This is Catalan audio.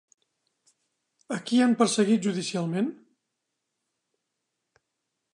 A qui han perseguit judicialment?